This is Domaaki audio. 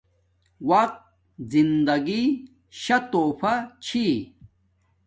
وقت زندگی شا تحفہ چھی